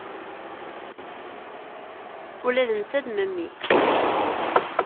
Ula d netta d memmi-k.